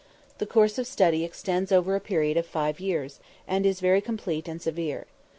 The course of study extends over a period of 5 years, and is very complete and severe.